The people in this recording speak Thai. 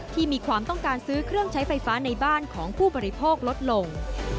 มีความต้องการซื้อเครื่องใช้ไฟฟ้าในบ้านของผู้บริโภคลดลง